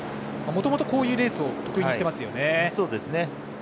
もともと、こういうレースを得意にしてますよね。